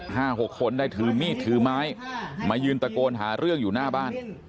หกคนได้ถือมีดถือไม้มายืนตะโกนหาเรื่องอยู่หน้าบ้าน